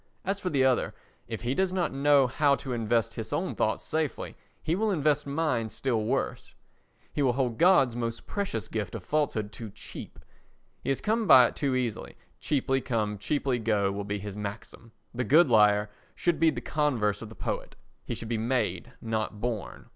As for the other—if he does not know how to invest his own thoughts safely he will invest mine still worse; he will hold God's most precious gift of falsehood too cheap; he has come by it too easily; cheaply come, cheaply go will be his maxim. The good liar should be the converse of the poet; he should be made, not born.